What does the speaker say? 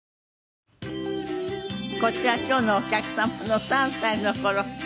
こちら今日のお客様の３歳の頃。